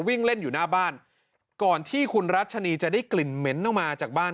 วิ่งเล่นอยู่หน้าบ้านก่อนที่คุณรัชนีจะได้กลิ่นเหม็นออกมาจากบ้าน